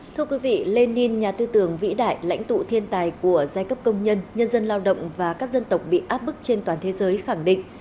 thưa quý vị lenin nhà tư tưởng vĩ đại lãnh tụ thiên tài của giai cấp công nhân nhân dân lao động và các dân tộc bị áp bức trên toàn thế giới khẳng định